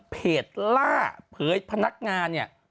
ล่าเผยพนักงานเนี่ย